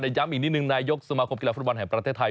ย้ำอีกนิดนึงนายกสมาคมกีฬาฟุตบอลแห่งประเทศไทย